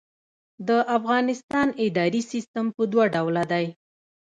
د افغانستان اداري سیسټم په دوه ډوله دی.